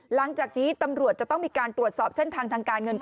หลังจากนี้จะต้องมีการตรวจสอบเส้นทางทางการเงิน